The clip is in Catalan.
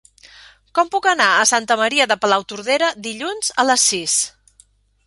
Com puc anar a Santa Maria de Palautordera dilluns a les sis?